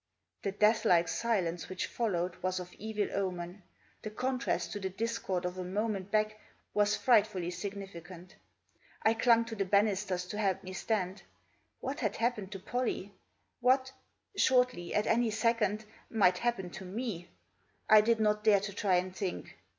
The death like silence which followed was of evil omen. The contrast to the discord of a moment back was frightfully significant. I clung to the banisters to help me stand. What had happened to Pollie? What, shortly — at any second ! might happen to me ? I did not dare to try and think.